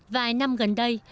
vài năm gần đây